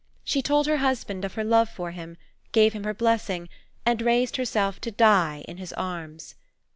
She told her husband of her love for him, gave him her blessing, and raised herself to die in his arms.